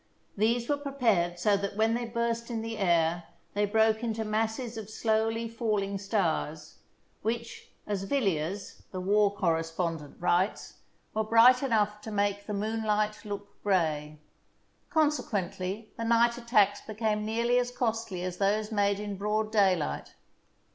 These were prepared so that when they burst in the air they broke into masses of slowly falling stars, which, as Villiers, the war correspondent, writes, were bright enough to make the moonlight look gray. Consequently, the night attacks became nearly as costly as those made in broad daylight.